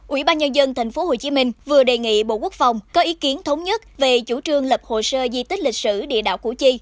ủy ban nhân dân tp hcm vừa đề nghị bộ quốc phòng có ý kiến thống nhất về chủ trương lập hồ sơ di tích lịch sử địa đạo củ chi